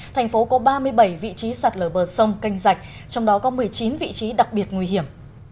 thành phố có ba mươi bảy vị trí sạt lở bờ sông canh rạch trong đó có một mươi chín vị trí đặc biệt nguy hiểm